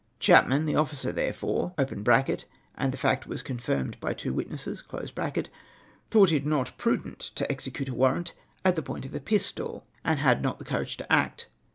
Chapman, the officer, therefore (and the fact was confirmed by two witnesses), thought it not prudent to execute a warrant at the point of a pistol, and had not the courage to act.